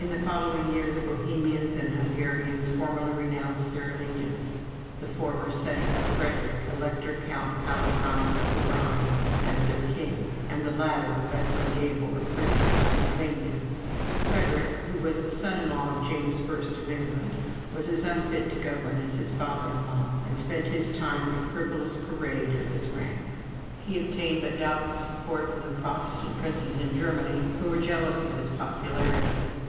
In the following year the Bohemians and Hungarians formally renounced their allegiance; the former setting up Frederick, Elector Count Palatine of the Rhine, as their king; and the latter, Bethlem Gabor, Prince of Transylvania. Frederick, who was the son in law of James I. of England, was as unfit to govern as his father in law, and spent his time in a frivolous parade of his rank. He obtained but a doubtful support from the Protestant princes in Germany, who were jealous of his popularity.